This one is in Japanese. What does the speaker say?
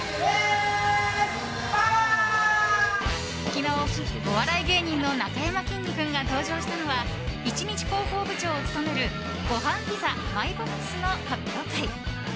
昨日、お笑い芸人のなかやまきんに君が登場したのは１日広報部長を務めるごはんピザＭＹＢＯＸの発表会。